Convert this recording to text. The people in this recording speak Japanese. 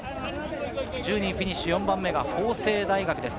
１０人フィニッシュ、４番目は法政大学です。